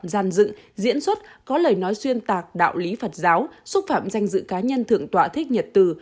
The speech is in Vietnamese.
gian dựng diễn xuất có lời nói xuyên tạc đạo lý phật giáo xúc phạm danh dự cá nhân thượng tọa thích nhật từ